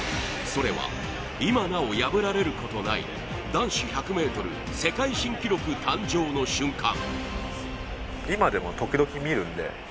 それは今なお破られることない男子１００ｍ世界新記録誕生の瞬間。